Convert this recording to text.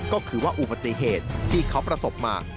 ก็คือว่าอุบัติเหตุที่เขาประสบมา